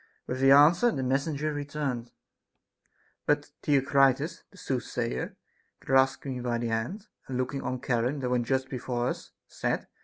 With this answer the messenger returned. 3. But Theocritus the soothsayer, grasping me by the hand, and looking on Charon that went just before us, said : SOCRATES'S DAEMON.